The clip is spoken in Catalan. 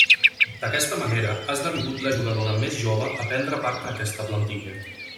D'aquesta manera, ha esdevingut la jugadora més jove a prendre part en aquesta plantilla.